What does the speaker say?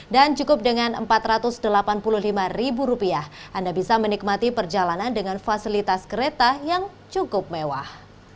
dan cukup dengan rp empat ratus delapan puluh lima anda bisa menikmati perjalanan dengan fasilitas kereta yang cukup mewah